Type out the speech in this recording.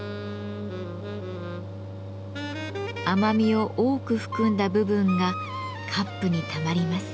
甘みを多く含んだ部分がカップにたまります。